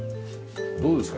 どうですか？